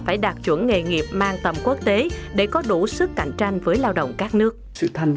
phải đạt chuẩn nghề nghiệp mang tầm quốc tế để có đủ sức cạnh tranh với lao động các nước thành